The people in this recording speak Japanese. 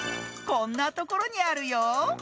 こんなところにあるよ。